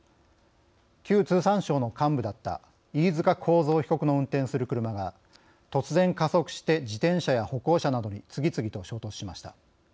旧通産省の幹部だった飯塚幸三被告の運転する車が突然加速して自転車や歩行者などに次々と衝突しました。